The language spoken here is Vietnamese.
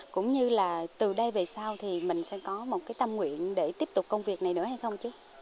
cũng như là từ đây về sau thì mình sẽ có một cái tâm nguyện để tiếp tục công việc này nữa hay không chú